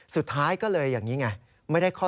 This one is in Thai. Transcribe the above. สุดท้ายก็เลยอย่างนี้ไงไม่ได้ข้อตกลงกันไม่ได้พูดคุยกันอีกนะครับ